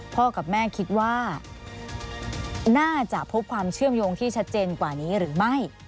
กับแม่คิดว่าน่าจะพบความเชื่อมโยงที่ชัดเจนกว่านี้หรือไม่